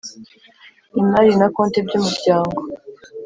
imali na konte by umuryango